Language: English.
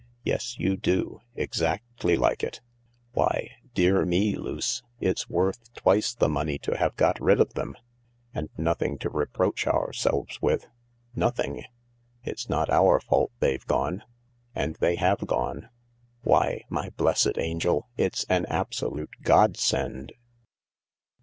" Yes, you do, exactly like it 1 Why, dear me, Luce, it's worth twice the money to have got rid of them 1 And nothing to reproach ourselves with 1 Nothing I It's not our fault they've gone — and they have gone. Why, my blessed angel, it's an absolute godsend